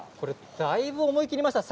だいぶ思い切りました。